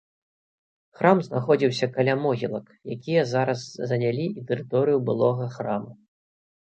Храм знаходзіўся каля могілак, якія зараз занялі і тэрыторыю былога храма.